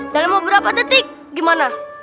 dalam beberapa detik gimana